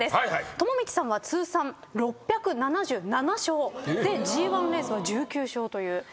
友道さんは通算６７７勝でＧⅠレースは１９勝という名調教師。